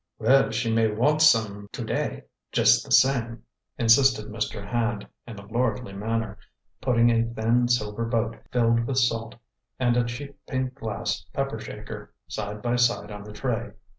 "Well, she may want some to day, just the same," insisted Mr. Hand in a lordly manner, putting a thin silver boat, filled with salt, and a cheap pink glass pepper shaker side by side on the tray.